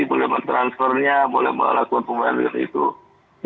boleh transfernya boleh melakukan pembayaran dan itu